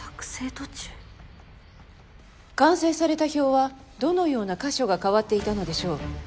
完成された表はどのような箇所が変わっていたのでしょう？